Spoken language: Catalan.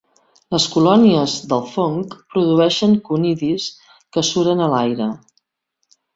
Les colònies del fong produeixen conidis que suren a l'aire.